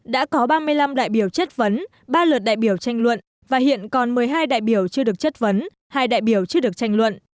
đã có ba mươi năm đại biểu chất vấn ba lượt đại biểu tranh luận và hiện còn một mươi hai đại biểu chưa được chất vấn hai đại biểu chưa được tranh luận